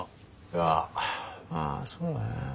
いやまあそうだね。